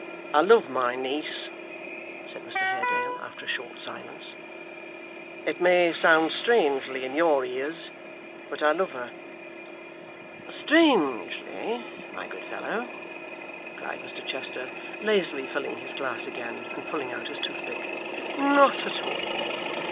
'I love my niece,' said Mr Haredale, after a short silence. 'It may sound strangely in your ears; but I love her.' 'Strangely, my good fellow!' cried Mr Chester, lazily filling his glass again, and pulling out his toothpick. 'Not at all.